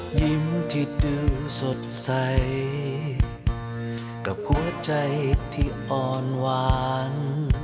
ดูสดใสกับหัวใจที่อ่อนหวาน